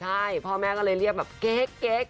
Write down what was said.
ใช่พ่อแม่ก็เลยเรียกแบบเก๊ก